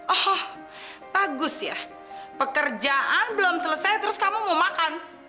oh bagus ya pekerjaan belum selesai terus kamu mau makan